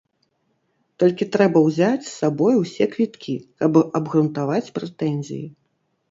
Толькі трэба ўзяць з сабой усе квіткі, каб абгрунтаваць прэтэнзіі.